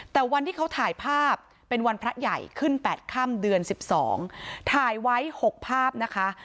แต่วันที่เขาถ่ายภาพเป็นวันพระใหญ่ขึ้น๘ค่ำเดือน๑๒ถ่ายไว้๖ภาพนะคะ